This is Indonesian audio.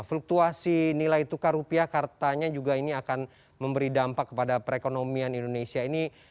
fluktuasi nilai tukar rupiah kartanya juga ini akan memberi dampak kepada perekonomian indonesia ini